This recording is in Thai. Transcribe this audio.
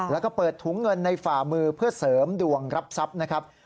แล้วก็เปิดถุงเงินในฝ่ามือเพื่อเสริมดวงรับทรัพย์นะครับ